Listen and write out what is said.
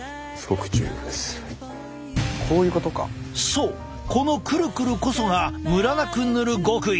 そうこのクルクルこそがムラなく塗る極意！